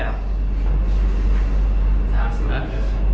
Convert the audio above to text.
สามสิบนัด